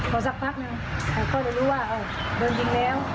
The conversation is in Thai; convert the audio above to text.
พอสักพักนึงก็เลยรู้ว่าโดนยิงแล้ว